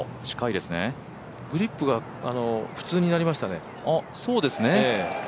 グリップが普通になりましたね。